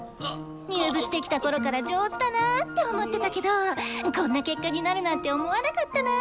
入部してきたころから上手だなって思ってたけどこんな結果になるなんて思わなかったな。